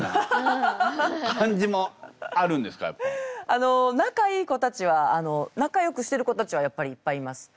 あの仲いい子たちはなかよくしてる子たちはやっぱりいっぱいいます。